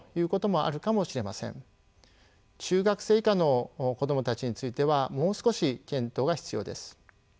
中学生以下の子どもたちについてはもう少し検討が必要です。